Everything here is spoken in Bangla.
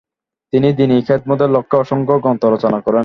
তিনি দ্বীনি খেদমতের লক্ষ্যে অসংখ্য গ্রন্থ রচনা করেন ।